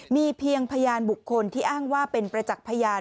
มีเพียงพยานบุคคลที่อ้างว่าเป็นประจักษ์พยาน